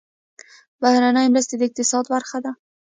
بهرنۍ مرستې د اقتصاد برخه ده